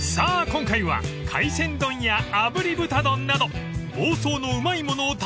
今回は海鮮丼やあぶり豚丼など］